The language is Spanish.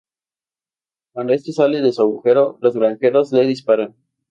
Cuando este sale de su agujero, los granjeros le disparan.